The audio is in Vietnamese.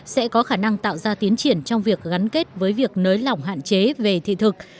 sẽ có khả năng tạo ra tiến triển trong việc gắn kết với việc nới lỏng hạn chế về thị thực